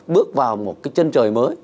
bước vào một cái chân trời mới